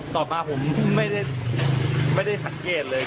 ต่อมาผมไม่ได้สังเกตเลย